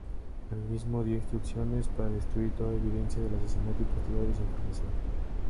Él mismo dio instrucciones para destruir toda evidencia del asesinato y posterior desinformación.